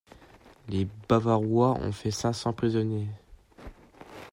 Les Bavarois ont fait cinq cents prisonniers.